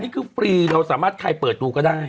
ฟรีเราสามารถใครเปิดดูก็ได้